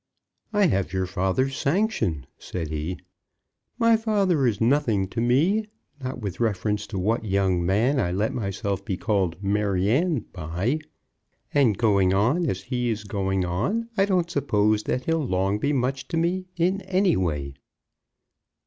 "I have your father's sanction," said he "My father is nothing to me, not with reference to what young man I let myself be called 'Maryanne' by. And going on as he is going on, I don't suppose that he'll long be much to me in any way."